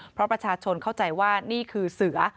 เพราะประชาชนเข้าใจว่านี่คือเสือ